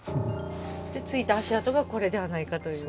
でついた足跡がこれではないかという。